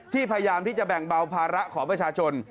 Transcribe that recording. พยายามที่จะแบ่งเบาภาระของประชาชน